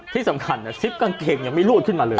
ที่สำคัญซิปกางเกงยังไม่รูดขึ้นมาเลย